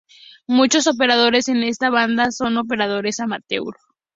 Muchos operadores en esta banda son operadores amateur.